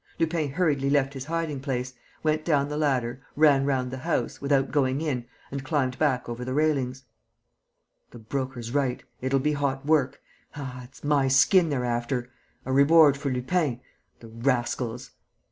..." Lupin hurriedly left his hiding place, went down the ladder, ran round the house, without going in, and climbed back over the railings: "The Broker's right; it'll be hot work. ... Ah, it's my skin they're after! A reward for Lupin! The rascals!"